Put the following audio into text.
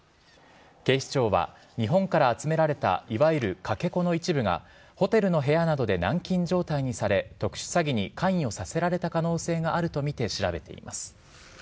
警視庁は日本から集められたいわゆるかけ子の一部がホテルの部屋などで軟禁状態にされ、特殊詐欺に関与させられた可能性もあるとみて調べています。